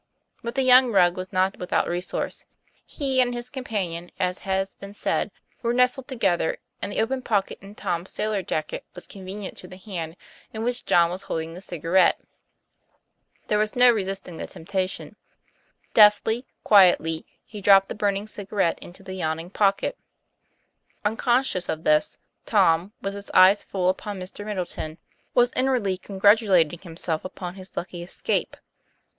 But the young rogue was not without resource; he and his companion, as has been said, were nestled together, and the open pocket in Tom's sailor jacket was convenient to the hand in which John was holding the cigarette. There was no re sisting the temptation. Deftly, quietly, he dropped the burning cigarette into the yawning pocket. Un conscious of this, Tom, with his eyes full upon Mr. Middleton, was inwardly congratulating himself upon his lucky escape.